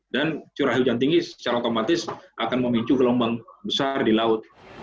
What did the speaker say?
dan curah hujan tinggi secara otomatis akan memincu gelombang besar di laut